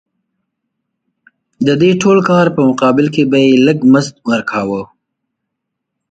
د دې ټول کار په مقابل کې به یې لږ مزد ورکاوه